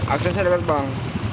aksesnya dekat bang